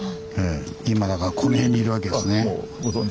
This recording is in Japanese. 今だからこの辺にいるわけですね。